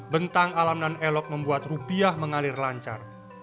bentang alam non elok membuat rupiah mengalir lancar